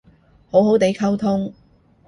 好好哋溝通